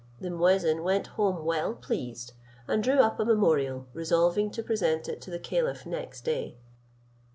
The muezin went home well pleased, and drew up a memorial, resolving to present it to the caliph next day.